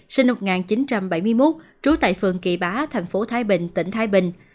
sinh năm một nghìn chín trăm bảy mươi một trú tại phường kỳ bá thành phố thái bình tỉnh thái bình